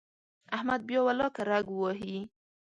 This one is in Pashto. احمد بیا ولاکه رګ ووهي.